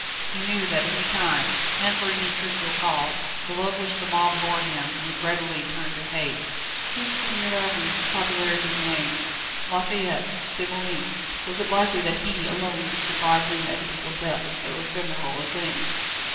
He knew that at any time, and for any trivial cause, the love which the mob bore him would readily turn to hate. He had seen Mirabeau's popularity wane, La Fayette's, Desmoulin's was it likely that he alone would survive the inevitable death of so ephemeral a thing?